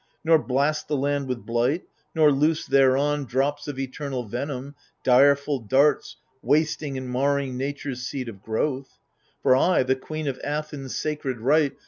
Nor blast the land with blight, nor loose thereon Drops of eternal venom, direful darts Wasting and marring nature's seed of growth. For I, the queen of Athens' sacred right.